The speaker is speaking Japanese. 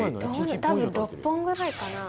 多分６本ぐらいかな？